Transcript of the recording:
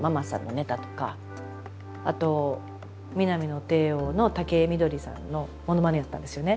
あとミナミの帝王の竹井みどりさんのモノマネやったんですよね。